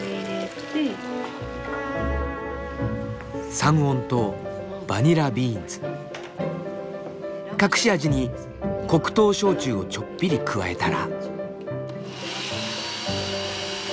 三温糖バニラビーンズ隠し味に黒糖焼酎をちょっぴり加えたら。